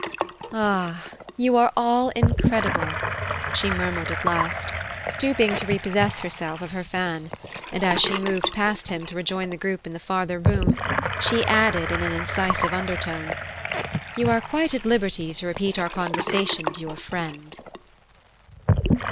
"Ah, you are all incredible," she murmured at last, stooping to repossess herself of her fan; and as she moved past him to rejoin the group in the farther room, she added in an incisive undertone: "You are quite at liberty to repeat our conversation to your friend!"